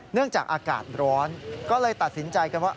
เนื่องจากอากาศร้อนก็เลยตัดสินใจกันว่า